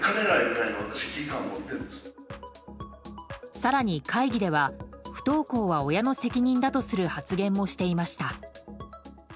更に、会議では不登校は親の責任だとする発言もしていました。